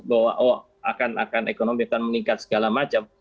bahwa oh akan ekonomi akan meningkat segala macam